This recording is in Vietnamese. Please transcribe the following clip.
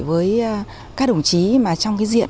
với các đồng chí trong diện